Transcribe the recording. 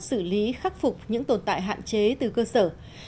xử lý khắc phục những tồn tại hạn chế từ cơ sở